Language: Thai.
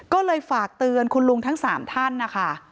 ก็เลยฝากเตือนคุณลุงทั้ง๓ท่านนะคะ